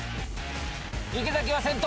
池崎は先頭。